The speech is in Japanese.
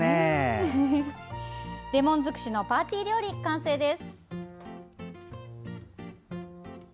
レモン尽くしのパーティー料理、完成です。